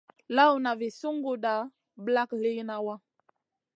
Lawna vi sunguda ɓlak liyna wa.